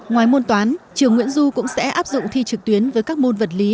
ngoài môn toán trường nguyễn du cũng sẽ áp dụng thi trực tuyến với các môn vật lý